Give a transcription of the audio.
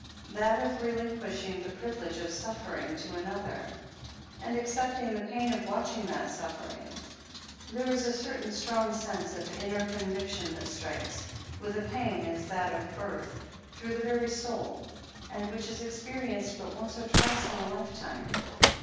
That of relinquishing the privilege of suffering to another, and accepting the pain of watching that suffering." 474 THE HEEL OF ACHILLES There is a certain strong sense of inner conviction that strikes, with a pang as that of birth, through the very soul, and which is experienced but once or twice in a lifetime.